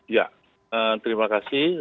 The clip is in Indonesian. ya terima kasih